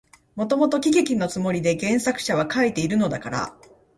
もともと喜劇のつもりで原作者は書いているのだから、